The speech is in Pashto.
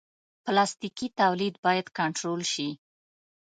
پلاستيکي تولید باید کنټرول شي.